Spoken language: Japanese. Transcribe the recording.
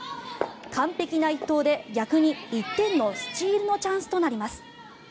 完璧な１投で逆に１点のスチールのチャンスになります。